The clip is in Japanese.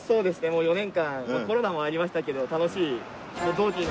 もう４年間コロナもありましたけど楽しい。